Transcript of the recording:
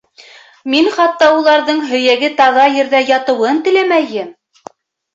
— Мин хатта уларҙың һөйәге таҙа ерҙә ятыуын теләмәйем.